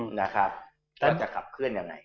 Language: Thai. ท่านจะขับเคลื่อนยังไง